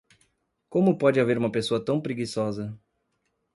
Como pode haver uma pessoa tão preguiçosa?